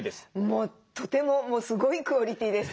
もうとてもすごいクオリティーです。